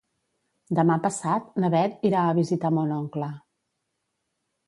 Demà passat na Beth irà a visitar mon oncle.